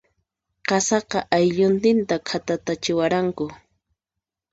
Qasaqa, aylluntinta khatatatachiwaranku.